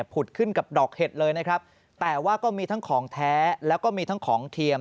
ขึ้นกับดอกเห็ดเลยนะครับแต่ว่าก็มีทั้งของแท้แล้วก็มีทั้งของเทียม